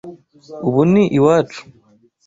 Ubu ni iwacu.